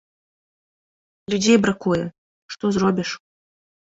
Людзей бракуе, што зробіш.